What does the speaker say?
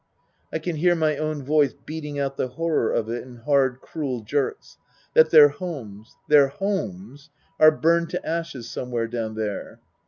(I can hear my own voice beating out the horror of it in hard, cruel jerks.) " That their homes their homes are burned to ashes somewhere down there